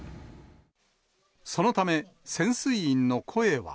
そのため、潜水員の声は。